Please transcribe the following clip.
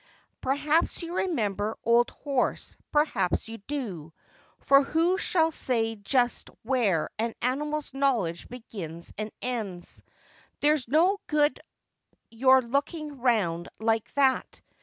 Perhaps you remember, old horse, perhaps you do ; for who shall say just where an animal's knowledge begins and ends? There's no good your looking round like that.